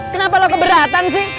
kenapa lo keberatan sih